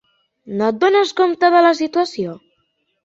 No et dones compte de la situació?